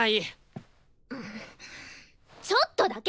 ちょっとだけ！